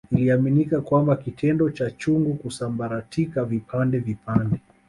Iliaminika kwamba kitendo cha chungu kusambaratika vipande vipande